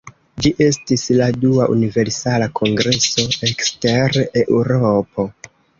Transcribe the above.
Ĝi estis la dua Universala Kongreso ekster Eŭropo.